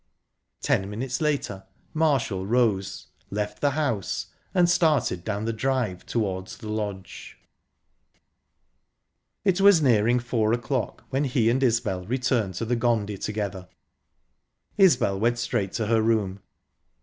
Ten minutes later Marshall rose, left the house, and started down the drive towards the lodge. It was nearing four o'clock when he and Isbel returned to the Gondy together. Isbel went straight to her room.